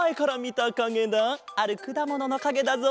あるくだもののかげだぞ。